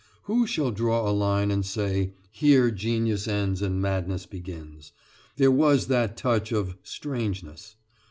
Who shall draw a line and say: here genius ends and madness begins? There was that touch of strangeness.